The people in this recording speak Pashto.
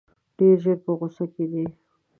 ډېر ژر په غوسه کېدی.